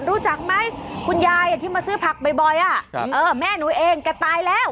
รู้จักไหมคุณยายที่มาซื้อผักบ่อยแม่หนูเองแกตายแล้ว